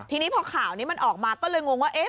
ทีนี้พอข่าวนี้มันออกมาก็เลยงงว่า